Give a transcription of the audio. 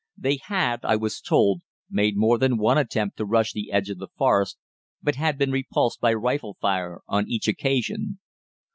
They had, I was told, made more than one attempt to rush the edge of the Forest, but had been repulsed by rifle fire on each occasion.